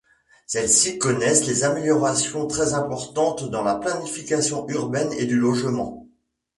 Celles-ci connaissent des améliorations très importantes dans la planification urbaine et du logement.